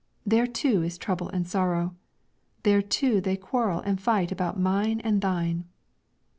there too is trouble and sorrow; there too they quarrel and fight about mine and thine!